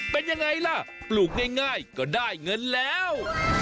ปลูกง่ายก็ได้เงินแล้ว